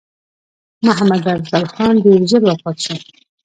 محمدافضل خان ډېر ژر وفات شو.